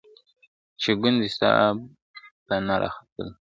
چي ګوندي ستا په نه راختلو ..